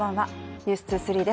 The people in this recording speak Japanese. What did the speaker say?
「ｎｅｗｓ２３」です